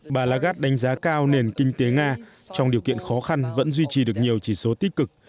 bà lagarde đánh giá cao nền kinh tế nga trong điều kiện khó khăn vẫn duy trì được nhiều chỉ số tích cực